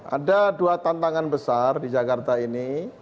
ada dua tantangan besar di jakarta ini